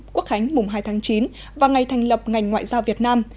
quốc khánh mùng hai tháng chín và ngày thành lập ngành ngoại giao việt nam